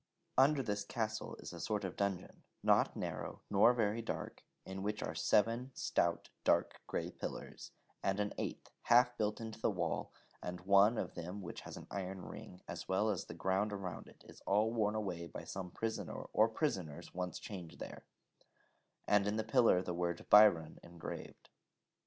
Under this castle is a sort of dungeon, not narrow, nor very dark, in which are seven stout dark grey pillars, and an eighth, half built into the wall; and one of them which has an iron ring, as well as the ground around it, is all worn away by some prisoner or prisoners once chained there; and in the pillar the word 'Byron' engraved.